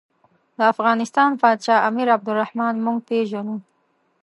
د افغانستان پاچا امیر عبدالرحمن موږ پېژنو.